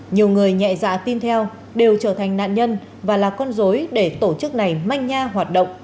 nhiều người nhẹ dạ tin theo đều trở thành nạn nhân và là con dối để tổ chức này manh nha hoạt động